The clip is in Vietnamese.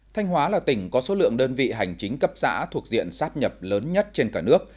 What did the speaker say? thanh hóa là tỉnh có số lượng đơn vị hành chính cấp xã thuộc diện sáp nhập lớn nhất trên cả nước